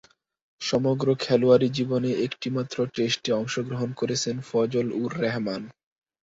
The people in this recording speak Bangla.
সমগ্র খেলোয়াড়ী জীবনে একটিমাত্র টেস্টে অংশগ্রহণ করেছেন ফজল-উর-রেহমান।